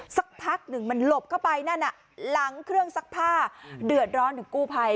สักพักหนึ่งมันหลบเข้าไปนั่นอ่ะหลังเครื่องซักผ้าเดือดร้อนถึงกู้ภัย